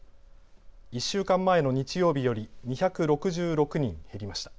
１週間前の日曜日より２６６人減りました。